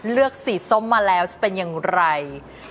สีส้มมาแล้วจะเป็นอย่างไร